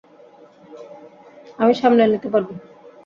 আমি সামলে নিতে পারব।